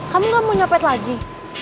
kamu gak mau nyopet lagi